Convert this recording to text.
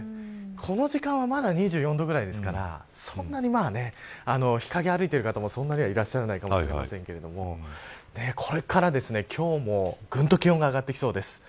この時間はまだ２４度ぐらいですからそんなに日陰を歩いている方もいらっしゃらないかもしれませんがこれから今日もぐんと気温が上がってきそうです。